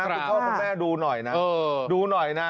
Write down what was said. คุณพ่อคุณแม่ดูหน่อยนะดูหน่อยนะ